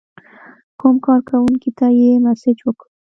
کوم کارکونکي ته یې مسیج وکړ.